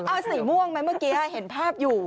เอาสีม่วงไหมเมื่อกี้เห็นภาพอยู่